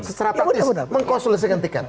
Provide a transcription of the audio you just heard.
secara praktis mengkonsolidasikan tiket